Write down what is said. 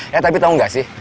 ya tapi tau gak sih